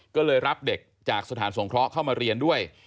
ก็เลยรับเด็กจากสถานสงเคราะห์เข้ามาเรียนด้วย